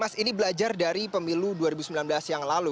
mas ini belajar dari pemilu dua ribu sembilan belas yang lalu